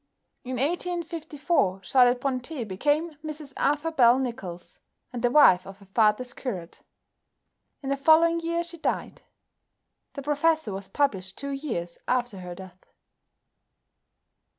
In 1854 Charlotte Brontë became Mrs Arthur Bell Nicholls, and the wife of her father's curate. In the following year she died. "The Professor" was published two years after her death.